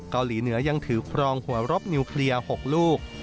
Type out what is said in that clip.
เกาหลีเหนือยังถือครองหัวรบนิวเคลียร์๖ลูก